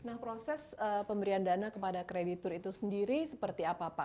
nah proses pemberian dana kepada kreditur itu sendiri seperti apa pak